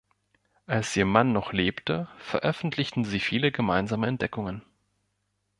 Als ihr Mann noch lebte, veröffentlichten sie viele gemeinsame Entdeckungen.